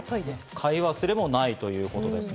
買い忘れもないということですね。